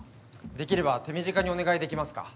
できれば手短にお願いできますか？